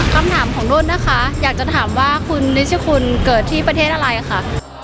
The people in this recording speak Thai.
คำถามของนุ่นนะคะอยากจะถามว่าคุณนิชคุณเกิดที่ประเทศอะไรค่ะ